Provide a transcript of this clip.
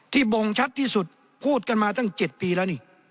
บ่งชัดที่สุดพูดกันมาตั้ง๗ปีแล้วนี่